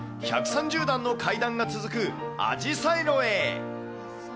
１３０段の階段が続くアジサイ路へ。